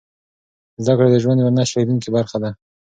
زده کړه د ژوند یوه نه شلېدونکې برخه ده.